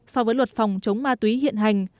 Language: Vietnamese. so với luật phòng chống ma túy hiện hành